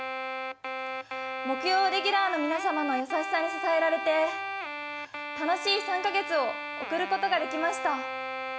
木曜レギュラーの皆様の優しさに支えられて楽しい３か月を送ることができました。